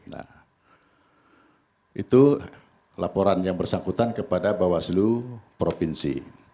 nah itu laporan yang bersangkutan kepada bawah seluruh provinsi